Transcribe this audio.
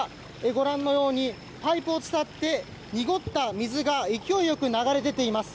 ご覧のようにパイプを伝って濁った水が勢いよく流れ出ています。